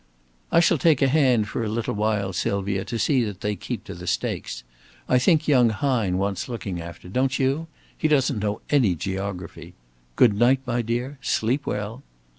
"I shall take a hand for a little while, Sylvia, to see that they keep to the stakes. I think young Hine wants looking after, don't you? He doesn't know any geography. Good night, my dear. Sleep well!"